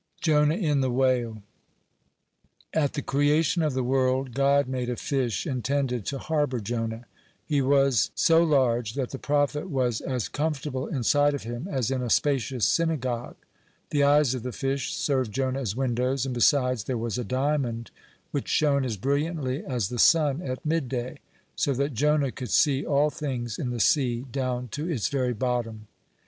(30) JONAH IN THE WHALE At the creation of the world, God made a fish intended to harbor Jonah. He as so large that the prophet was as comfortable inside of him as in a spacious synagogue. The eyes of the fish served Jonah as windows, and, besides, there was a diamond, which shone as brilliantly as the sun at midday, so that Jonah could see all things in the sea down to its very bottom.